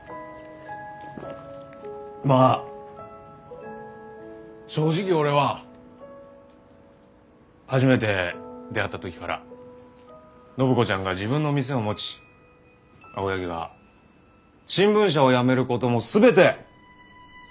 まあ正直俺は初めて出会った時から暢子ちゃんが自分の店を持ち青柳が新聞社を辞めることも全て想定していた。